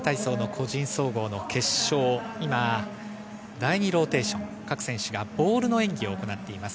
第２ローテーション、各選手がボールの演技を行っています。